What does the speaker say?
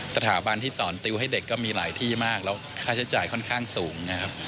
สถาบันที่สอนติวให้เด็กก็มีหลายที่มากแล้วค่าใช้จ่ายค่อนข้างสูงนะครับ